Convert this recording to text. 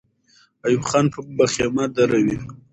ایوب خان به خېمې دروي.